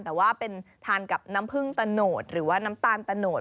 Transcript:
แต่ว่าเป็นทานกับน้ำผึ้งตะโนดหรือว่าน้ำตาลตะโนด